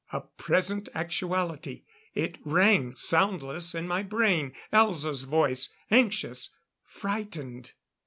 A present actuality; it rang soundless in my brain. Elza's voice. Anxious! Frightened!